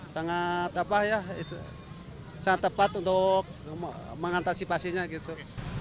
sangat tepat untuk mengantisipasinya gitu